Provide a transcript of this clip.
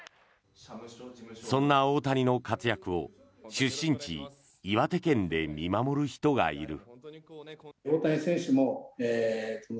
そんな大谷の活躍を出身地・岩手県で見守る人がいる。